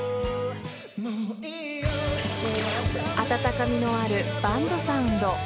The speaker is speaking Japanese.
［温かみのあるバンドサウンド］